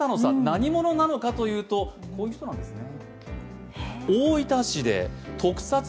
何者かというとこういう人なんですね。